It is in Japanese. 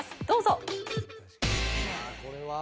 どうぞ！